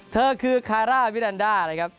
เธอคือคาระมิดันดา